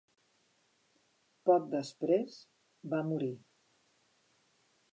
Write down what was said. Poc després, va morir.